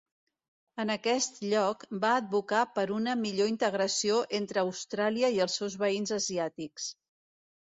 En aquest lloc, va advocar per una millor integració entre Austràlia i els seus veïns asiàtics.